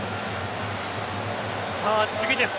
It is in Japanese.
さあ次です。